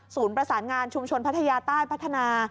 ประสานงานชุมชนพัทยาใต้พัฒนา